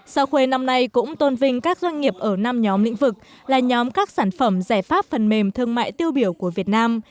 sao khuê năm nay cũng tôn vinh các doanh nghiệp ở năm nhóm lĩnh vực là nhóm các sản phẩm giải pháp phần mềm thương mại tiêu biểu của việt nam